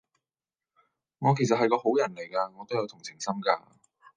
我其實係個好人嚟架，我都有同情心㗎